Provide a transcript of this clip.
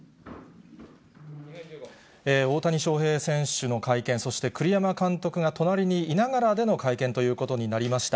大谷翔平選手の会見、そして栗山監督が隣にいながらでの会見ということになりました。